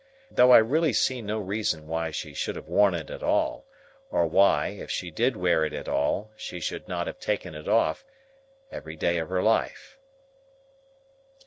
Though I really see no reason why she should have worn it at all; or why, if she did wear it at all, she should not have taken it off, every day of her life.